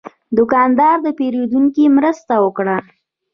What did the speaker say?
دوکاندار د پیرودونکي مرسته وکړه.